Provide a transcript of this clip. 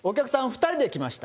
２人で来ました。